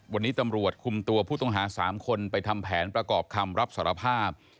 วันนี้ตำรวจคุมตัวผู้ต้องหา๓คนไปทำแผนประกอบคำรับสารภาพ